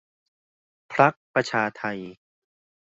พรรคประชาไทย